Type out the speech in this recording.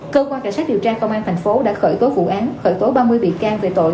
cơ quan cảnh sát điều tra công an thành phố đã khởi tố vụ án khởi tố ba mươi bị can về tội